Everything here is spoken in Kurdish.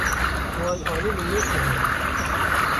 Wan alî min nekiriye.